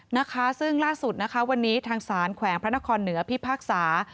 นะคะซึ่งล่าสุดนะคะวันนี้ทางศาลแขวงพระนครเหนือพิพากษา